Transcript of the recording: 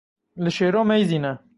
Li Şêro meyzîne.